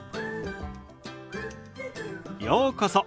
ようこそ。